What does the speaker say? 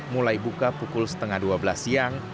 mulai buka pukul setengah dua belas siang